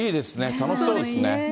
楽しそうですね。